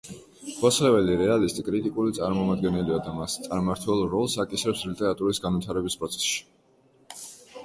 ბოსლეველი რეალისტი კრიტიკული წარმომადგენელია და მას წარმმართველ როლს აკისრებს ლიტერატურის განვითარების პროცესში.